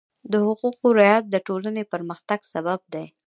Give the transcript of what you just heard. د حقوقو رعایت د ټولنې پرمختګ سبب دی.